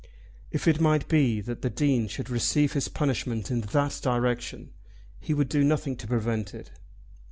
If it might be that the Dean should receive his punishment in that direction he would do nothing to prevent it.